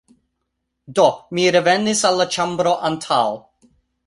Do, mi revenis al la ĉambro antaŭ